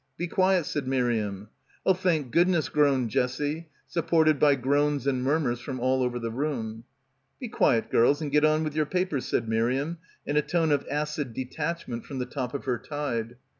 Be quiet," said Miriam. "Oh, thank goodness," groaned Jessie, sup ported by groans and murmurs from all over the room. "Be quiet, girls, and get on with your papers," said Miriam in a tone of acid detachment from the top of her tide.